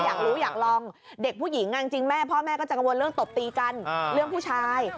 อยากรู้อยากลองเด็กผู้หญิงจริงแม่พ่อแม่ก็จะกังวลเรื่องตบตีกันเรื่องผู้ชาย